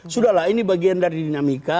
sudahlah ini bagian dari dinamika